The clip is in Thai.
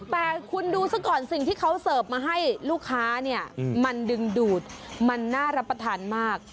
แต่คุณดูซะก่อนสิ่งที่เขาเสิร์ฟมาให้ลูกค้าเนี่ยมันดึงดูดมันน่ารับประทานมาก